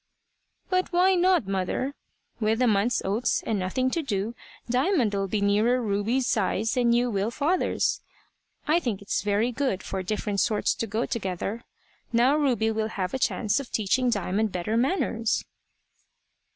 "But why not, mother? With a month's oats, and nothing to do, Diamond'll be nearer Ruby's size than you will father's. I think it's very good for different sorts to go together. Now Ruby will have a chance of teaching Diamond better manners."